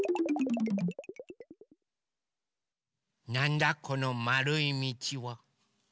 なんだこのまるいみちは？